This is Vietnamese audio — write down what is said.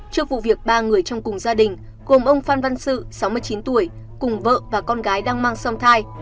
trước vụ việc ba người trong cùng gia đình gồm ông phan văn sự sáu mươi chín tuổi cùng vợ và con gái đang mang sông thai